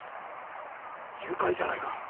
誘拐じゃないか？